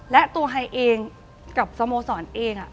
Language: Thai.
และตัวไฮเองกับสโมสรเอง